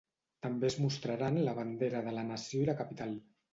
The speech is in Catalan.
També es mostraran la bandera de la nació i la capital.